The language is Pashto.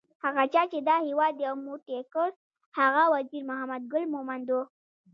هغه چا چې دا هیواد یو موټی کړ هغه وزیر محمد ګل مومند وو